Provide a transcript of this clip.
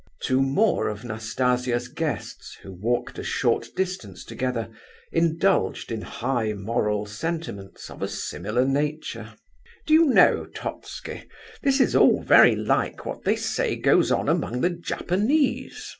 Two more of Nastasia's guests, who walked a short distance together, indulged in high moral sentiments of a similar nature. "Do you know, Totski, this is all very like what they say goes on among the Japanese?"